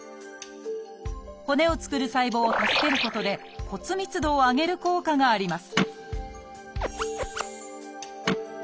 骨を作る細胞を助けることで骨密度を上げる効果があります